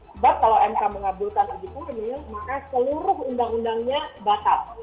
sebab kalau mk mengabulkan uji formil maka seluruh undang undangnya batal